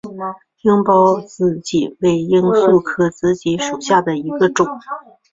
叶苞紫堇为罂粟科紫堇属下的一个种。